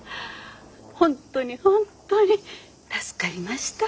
本当に本当に助かりました。